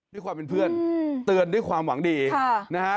ด้วยความเป็นเพื่อนเตือนด้วยความหวังดีนะฮะ